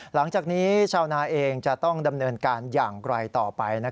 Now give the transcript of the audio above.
หลังจากนี้ชาวนาเองจะต้องดำเนินการอย่างไกลต่อไป